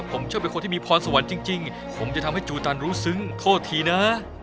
ผมเชื่อเป็นคนที่มีพรสวรรค์จริงผมจะทำให้จูตันรู้ซึ้งโทษทีนะ